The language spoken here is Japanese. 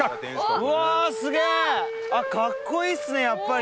カッコいいっすねやっぱり。